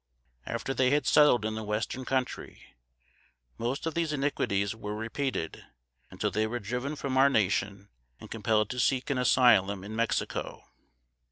After they had settled in the Western Country, most of these iniquities were repeated, until they were driven from our nation and compelled to seek an asylum in Mexico.